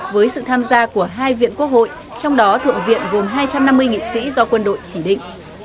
với sự tham gia của hai viện quốc hội trong đó thượng viện gồm hai trăm năm mươi nghị sĩ do quân đội chỉ định